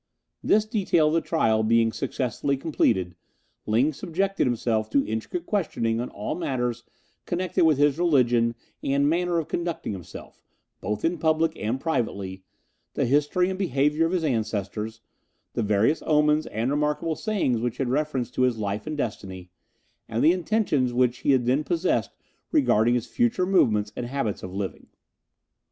This detail of the trial being successfully completed, Ling subjected himself to intricate questioning on all matters connected with his religion and manner of conducting himself, both in public and privately, the history and behaviour of his ancestors, the various omens and remarkable sayings which had reference to his life and destiny, and the intentions which he then possessed regarding his future movements and habits of living.